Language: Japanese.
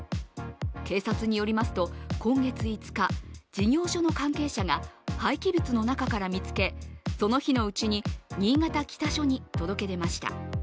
警察によりますと今月５日事業所の関係者が廃棄物の中から見つけ、その日のうちに新潟北署に届け出ました。